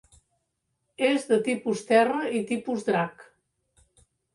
És de tipus terra i tipus drac.